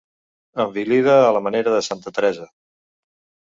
Envilida a la manera de Santa Teresa.